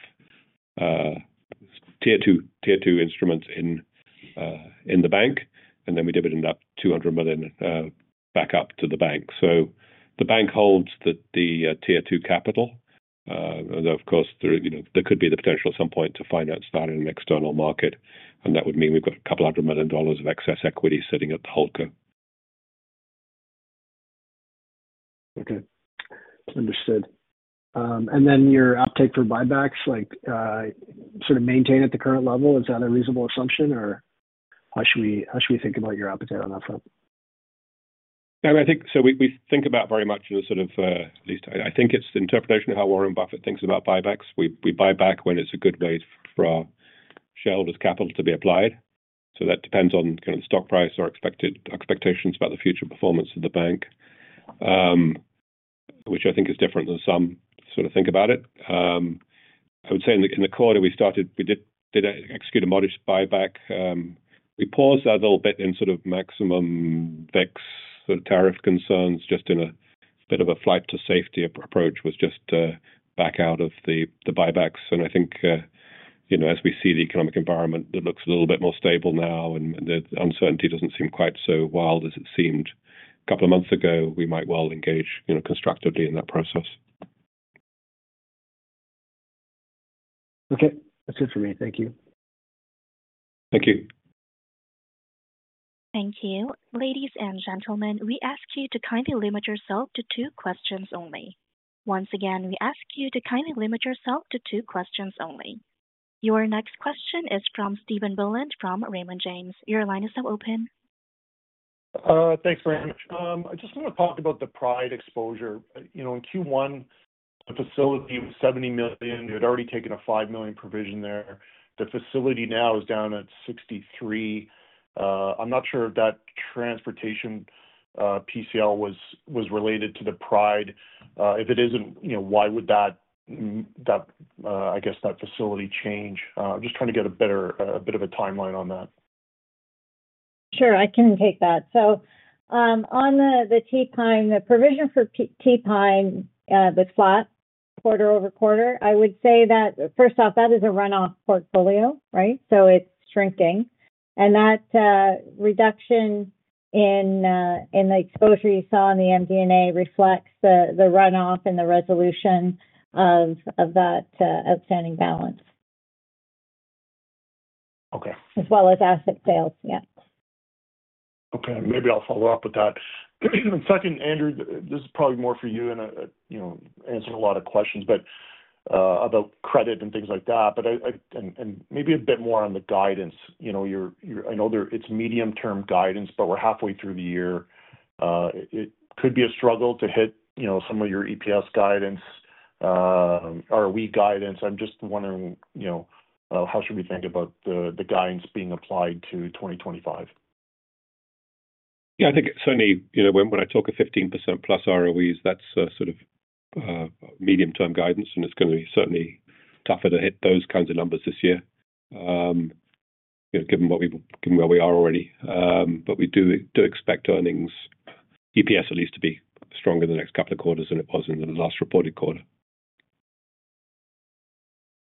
tier two instruments in the bank. We dividend up 200 million back up to the bank. The bank holds the tier two capital. Of course, there could be the potential at some point to finance that in an external market. That would mean we have a couple hundred million dollars of excess equity sitting at the hold co. Okay. Understood. And then your optic for buybacks, sort of maintain at the current level, is that a reasonable assumption, or how should we think about your optic on that front? We think about it very much in a sort of, at least I think it's the interpretation of how Warren Buffett thinks about buybacks. We buy back when it's a good way for our shareholders' capital to be applied. That depends on kind of the stock price or expectations about the future performance of the bank, which I think is different than some sort of think about it. I would say in the quarter, we did execute a modest buyback. We paused that a little bit in sort of maximum fix, sort of tariff concerns, just in a bit of a flight-to-safety approach, was just back out of the buybacks. I think as we see the economic environment, it looks a little bit more stable now, and the uncertainty doesn't seem quite so wild as it seemed a couple of months ago. We might well engage constructively in that process. Okay. That's it for me. Thank you. Thank you. Thank you. Ladies and gentlemen, we ask you to kindly limit yourself to two questions only. Once again, we ask you to kindly limit yourself to two questions only. Your next question is from Steven Billand from Raymond James. Your line is now open. Thanks, Raymond. I just want to talk about the Pride exposure. In Q1, the facility was 70 million. We had already taken a 5 million provision there. The facility now is down at 63 million. I'm not sure if that transportation PCL was related to the Pride. If it isn't, why would that, I guess, that facility change? I'm just trying to get a bit of a timeline on that. Sure. I can take that. On the TPINE, the provision for TPINE, the flat Quarter-over-Quarter, I would say that, first off, that is a runoff portfolio, right? It is shrinking. That reduction in the exposure you saw in the MD&A reflects the runoff and the resolution of that outstanding balance, as well as asset sales. Yeah. Okay. Maybe I'll follow up with that. Second, Andrew, this is probably more for you and answer a lot of questions, but about credit and things like that, and maybe a bit more on the guidance. I know it's medium-term guidance, but we're halfway through the year. It could be a struggle to hit some of your EPS guidance, ROE guidance. I'm just wondering how should we think about the guidance being applied to 2025? Yeah. I think certainly, when I talk of 15% plus ROEs, that is sort of medium-term guidance. It is going to be certainly tougher to hit those kinds of numbers this year, given where we are already. We do expect earnings, EPS at least, to be stronger in the next couple of quarters than it was in the last reported quarter.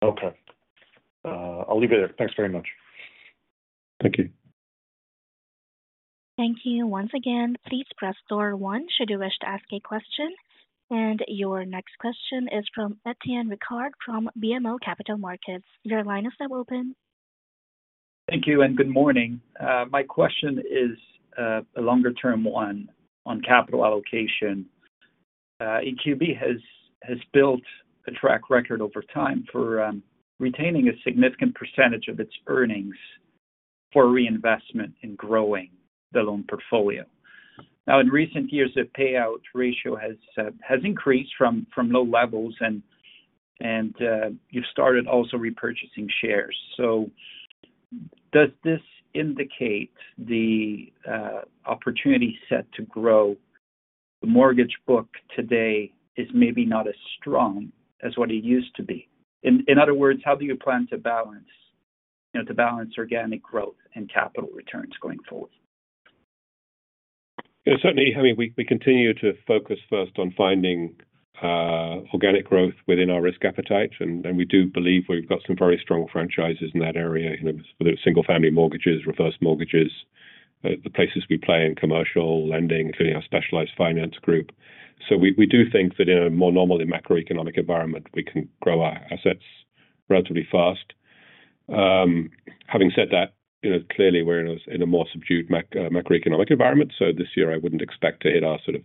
Okay. I'll leave it there. Thanks very much. Thank you. Thank you. Once again, please press star one should you wish to ask a question. Your next question is from Etienne Ricard from BMO Capital Markets. Your line is now open. Thank you. Good morning. My question is a longer-term one on capital allocation. EQB has built a track record over time for retaining a significant percentage of its earnings for reinvestment in growing the loan portfolio. In recent years, the payout ratio has increased from low levels, and you have started also repurchasing shares. Does this indicate the opportunity set to grow? The mortgage book today is maybe not as strong as what it used to be. In other words, how do you plan to balance organic growth and capital returns going forward? Certainly, I mean, we continue to focus first on finding organic growth within our risk appetite. We do believe we've got some very strong franchises in that area, whether it's single-family mortgages, reverse mortgages, the places we play in commercial lending, including our specialized finance group. We do think that in a more normally macroeconomic environment, we can grow our assets relatively fast. Having said that, clearly, we're in a more subdued macroeconomic environment. This year, I wouldn't expect to hit our sort of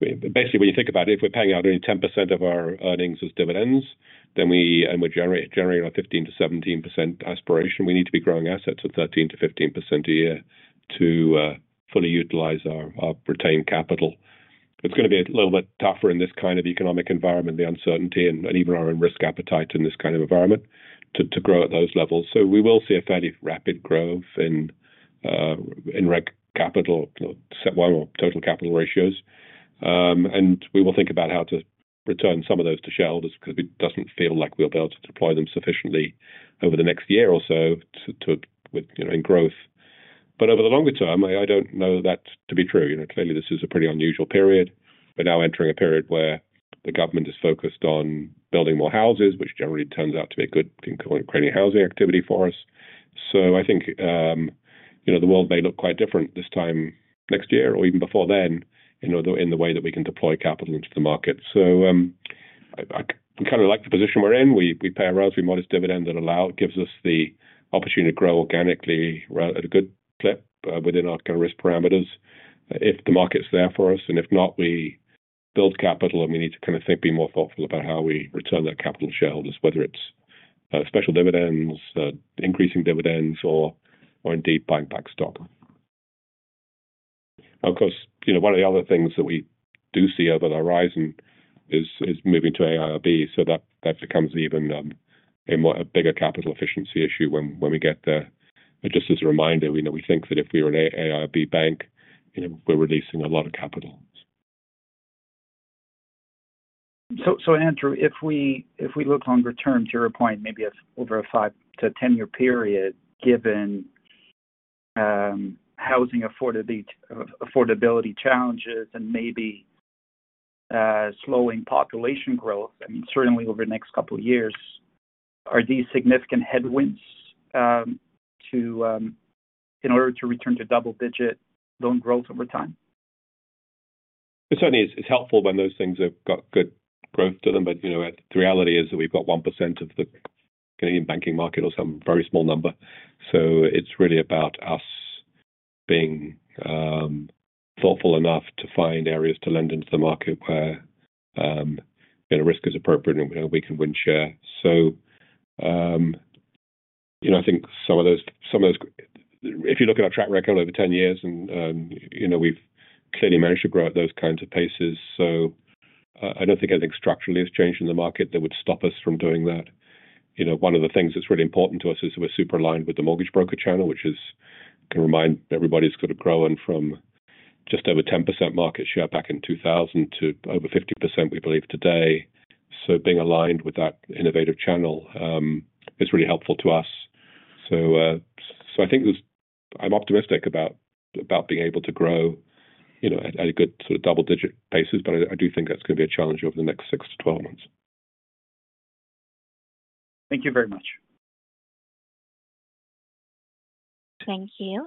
basically, when you think about it, if we're paying out only 10% of our earnings as dividends, and we're generating our 15%-17% aspiration, we need to be growing assets at 13%-15% a year to fully utilize our retained capital. It's going to be a little bit tougher in this kind of economic environment, the uncertainty, and even our own risk appetite in this kind of environment, to grow at those levels. We will see a fairly rapid growth in reg capital, set one, or total capital ratios. We will think about how to return some of those to shareholders because it doesn't feel like we'll be able to deploy them sufficiently over the next year or so in growth. Over the longer term, I don't know that to be true. Clearly, this is a pretty unusual period. We're now entering a period where the government is focused on building more houses, which generally turns out to be a good Ukrainian housing activity for us. I think the world may look quite different this time next year or even before then in the way that we can deploy capital into the market. I kind of like the position we're in. We pay a relatively modest dividend that gives us the opportunity to grow organically at a good clip within our kind of risk parameters if the market's there for us. If not, we build capital, and we need to kind of think, be more thoughtful about how we return that capital to shareholders, whether it's special dividends, increasing dividends, or indeed buying back stock. Of course, one of the other things that we do see over the horizon is moving to AIRB. That becomes even a bigger capital efficiency issue when we get there. Just as a reminder, we think that if we were an AIRB bank, we're releasing a lot of capital. Andrew, if we look longer-term, to your point, maybe over a 5-10 year period, given housing affordability challenges and maybe slowing population growth, I mean, certainly over the next couple of years, are these significant headwinds in order to return to double-digit loan growth over time? It certainly is helpful when those things have got good growth to them. The reality is that we've got 1% of the Canadian banking market or some very small number. It is really about us being thoughtful enough to find areas to lend into the market where risk is appropriate and we can win share. I think some of those, if you look at our track record over 10 years, we've clearly managed to grow at those kinds of paces. I do not think anything structurally has changed in the market that would stop us from doing that. One of the things that is really important to us is that we're super aligned with the mortgage broker channel, which can remind everybody has sort of grown from just over 10% market share back in 2000 to over 50%, we believe, today. Being aligned with that innovative channel is really helpful to us. I think I'm optimistic about being able to grow at a good sort of double-digit basis. I do think that's going to be a challenge over the next 6 to 12 months. Thank you very much. Thank you.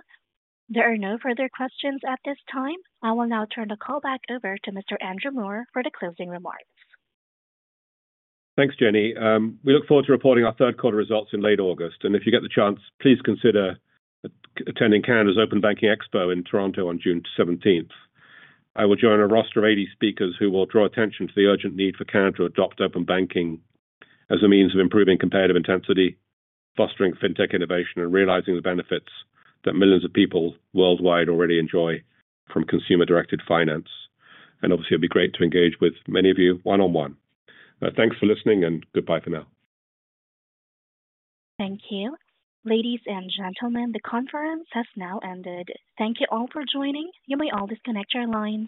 There are no further questions at this time. I will now turn the call back over to Mr. Andrew Moor for the closing remarks. Thanks, Jenny. We look forward to reporting our third quarter results in late August. If you get the chance, please consider attending Canada's Open Banking Expo in Toronto on June 17th. I will join a roster of 80 speakers who will draw attention to the urgent need for Canada to adopt open banking as a means of improving competitive intensity, fostering fintech innovation, and realizing the benefits that millions of people worldwide already enjoy from consumer-directed finance. Obviously, it'd be great to engage with many of you one-on-one. Thanks for listening, and goodbye for now. Thank you. Ladies and gentlemen, the conference has now ended. Thank you all for joining. You may all disconnect your lines.